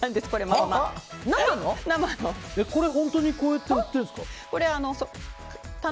これ本当にこうやって売ってるんですか？